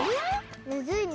むずいね。